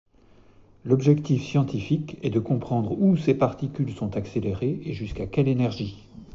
L'objectif scientifique est de comprendre où ces particules sont accélérées et jusqu'à quelle énergie.